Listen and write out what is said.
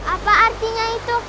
apa artinya itu